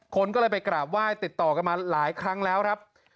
คนก็เลยไปกราบไหว้ติดต่อกันมาหลายครั้งแล้วครับ